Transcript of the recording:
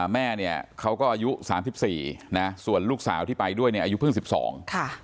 แม่เขาก็อายุ๓๔ส่วนลูกสาวที่ไปด้วยอายุเพิ่ง๑๒